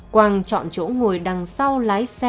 quang chọn chỗ ngồi đằng sau lái xe